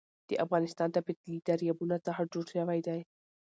د افغانستان طبیعت له دریابونه څخه جوړ شوی دی.